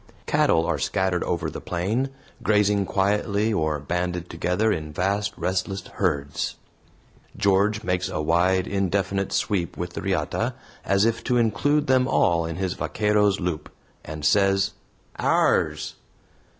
Cattle are scattered over the plain, grazing quietly or banded together in vast restless herds. George makes a wide, indefinite sweep with the riata, as if to include them all in his vaquero's loop, and says, "Ours!"